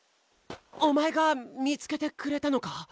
お前が見つけてくれたのか？